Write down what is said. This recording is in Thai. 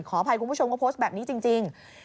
ขออภัยคุณผู้ชมก็โพสต์แบบนี้จริง